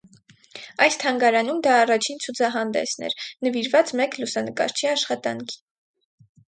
Այս թանգարանում դա առաջին ցուցահանդեսն էր՝ նվիրված մեկ լուսանկարչի աշխատանքին։